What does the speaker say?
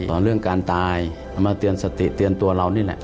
เรื่องการตายเอามาเตือนสติเตือนตัวเรานี่แหละ